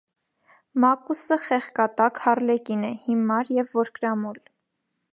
Մակկուսը խեղկատակ (հարլեկին) է, հիմար և որկրամոլ։